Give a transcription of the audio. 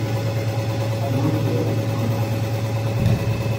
Qui no en té, no en gasta.